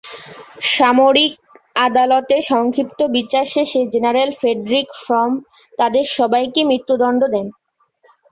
সামরিক আদালতে সংক্ষিপ্ত বিচার শেষে জেনারেল ফ্রেডরিক ফ্রম তাদের সবাইকে মৃত্যুদন্ড দেন।